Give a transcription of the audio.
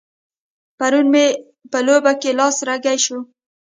پرون مې په لوبه کې لاس رګی شو.